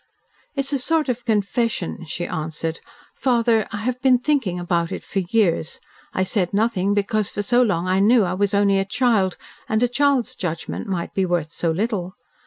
"It's a sort of confession," she answered. "Father, I have been thinking about it for years. I said nothing because for so long I knew I was only a child, and a child's judgment might be worth so little.